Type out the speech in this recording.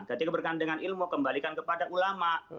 ketika bergandingan ilmu kembalikan kepada ulama